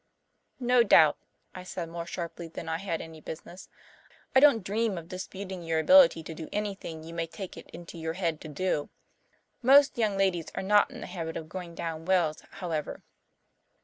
"No doubt," I said, more sharply than I had any business to. "I don't dream of disputing your ability to do anything you may take it into your head to do. Most young ladies are not in the habit of going down wells, however."